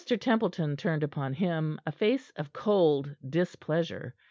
Templeton turned upon him a face of cold displeasure.